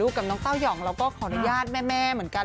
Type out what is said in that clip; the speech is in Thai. กับน้องเต้ายองเราก็ขออนุญาตแม่เหมือนกัน